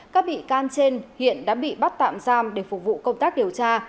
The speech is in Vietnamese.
các bị can trên hiện đã bị bắt tạm giam để phục vụ công tác điều tra